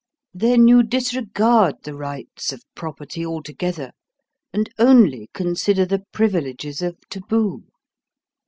"Then you disregard the rights of property altogether, and only consider the privileges of taboo.